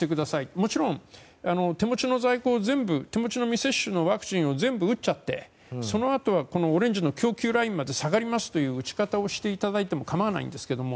もちろん、手持ちの在庫全部手持ちのワクチンを全部打っちゃって、そのあとはオレンジの供給ラインまで下がりますという打ち方をしていただいても構わないんですけども。